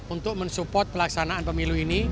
untuk mensupport pelaksanaan pemilu ini